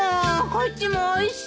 こっちもおいしい！